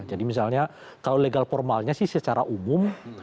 jadi misalnya kalau legal formalnya sih secara umum